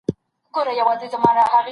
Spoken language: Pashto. ریښتیا او درواغ سره جلا کړه.